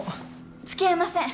付き合えません。